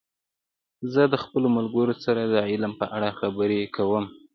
زه د خپلو ملګرو سره د علم په اړه خبرې کوم.